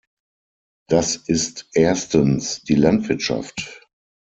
Das ist erstens die Landwirtschaft.